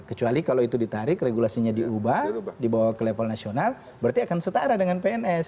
kecuali kalau itu ditarik regulasinya diubah dibawa ke level nasional berarti akan setara dengan pns